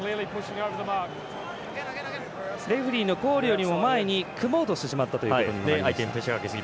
レフリーのコールよりも前に組もうとしてしまったという。